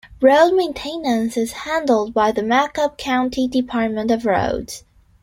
Road maintaince is handled by the Macomb County Department of Roads.